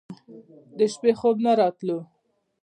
د شپې خوب نه راتلو.